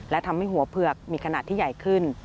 และทำให้หัวเผือกมีขนาดที่ใหญ่ขึ้น